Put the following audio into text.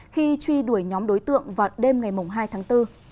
khi truy đuổi nhóm đối tượng vào đêm ngày hai tháng bốn